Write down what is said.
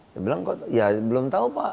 saya bilang ya belum tahu